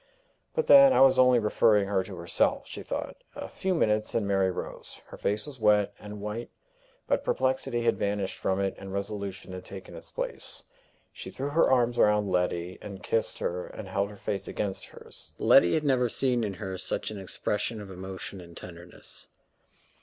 "But, then, I was only referring her to herself!" she thought. A few minutes, and Mary rose. Her face was wet and white, but perplexity had vanished from it, and resolution had taken its place. She threw her arms round Letty, and kissed her, and held her face against hers. Letty had never seen in her such an expression of emotion and tenderness.